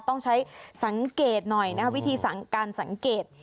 ต้องใช้สังเกตหน่อยนะวิธีการสังเกต